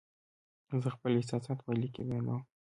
زه خپل احساسات په لیک کې بیانوم.